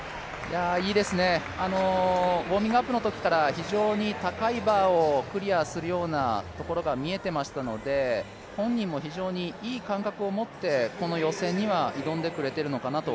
いいですね、ウオーミングアップのときから非常に高いバーをクリアするところが見えていましたので本人も非常にいい感覚を持って予選には挑んでくれているのかなと